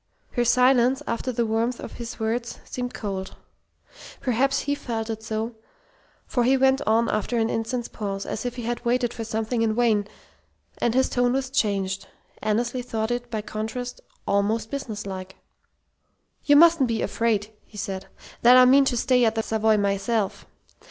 Her silence, after the warmth of his words, seemed cold. Perhaps he felt it so, for he went on after an instant's pause, as if he had waited for something in vain, and his tone was changed. Annesley thought it, by contrast, almost businesslike. "You mustn't be afraid," he said, "that I mean to stay at the Savoy myself.